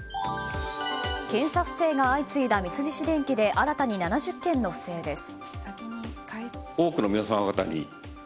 検査不正が相次いだ三菱電機で新たに７０件の不正です。